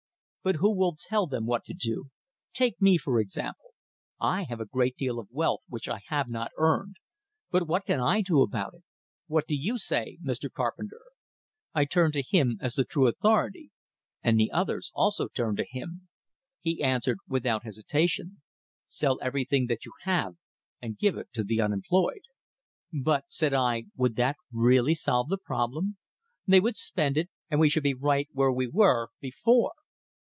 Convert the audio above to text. But who will tell them what to do? Take me, for example. I have a great deal of wealth which I have not earned; but what can I do about it? What do you say, Mr. Carpenter?" I turned to him, as the true authority; and the others also turned to him. He answered, without hesitation: "Sell everything that you have and give it to the unemployed." "But," said I, "would that really solve the problem. They would spend it, and we should be right where we were before."